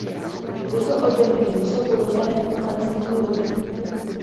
Tyto oddenky jsou podobné jako nadzemní lodyhy.